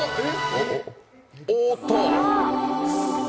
おーっと。